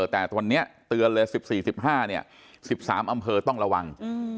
แต่ตอนนี้เตือนเลย๑๔๑๕๑๓อำเภอต้องระวัง